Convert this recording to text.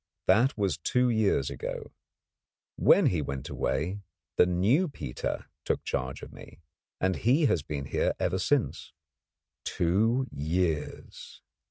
That was two years ago. When he went away, the new Peter took charge of me, and he has been here ever since. Two years!